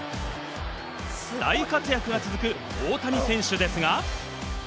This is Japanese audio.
大活躍が続く大谷選手ですが。